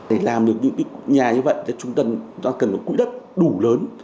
để làm được những cái nhà như vậy thì chúng ta cần một cụ đất đủ lớn